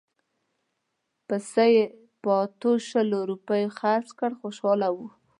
پسه یې په اتو شل روپیو خرڅ کړ خوشاله وو.